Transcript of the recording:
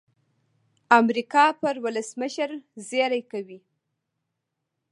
امریکا پر ولسمشر زېری کوي.